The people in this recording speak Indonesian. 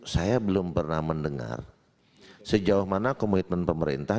saya belum pernah mendengar sejauh mana komitmen pemerintah